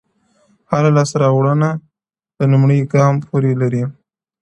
هره لاسته راوړنه د لومړي ګام پور لري!